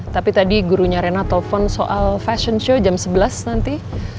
tapi tadi gurunya rena telepon soal fashion show jam sebelas nanti